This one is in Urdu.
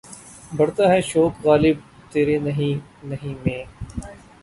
بڑھتا ہے شوق "غالب" تیرے نہیں نہیں میں.